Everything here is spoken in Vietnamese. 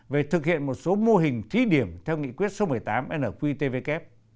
về thực hiện một số mô hình thí điểm theo nghị quyết số một mươi tám nqtvk